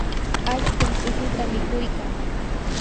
allqum tulluta mikuykan.